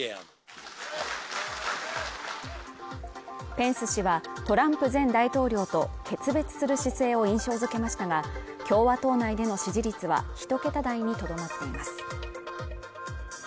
ペンス氏はトランプ前大統領と決別する姿勢を印象付けましたが共和党内での支持率は１桁台にとどまっています。